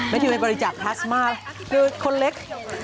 แมทิวไว้บริจากพลาสสมาสคือคนเล็ก